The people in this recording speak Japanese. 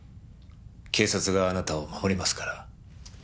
警察があなたを守りますから。